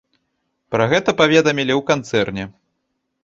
Пра гэта паведамілі ў канцэрне.